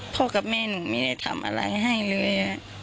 กับแม่หนูไม่ได้ทำอะไรให้เลย